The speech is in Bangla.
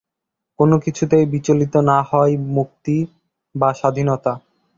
কোন কিছুতেই বিচলিত না হওয়াই মুক্তি বা স্বাধীনতা।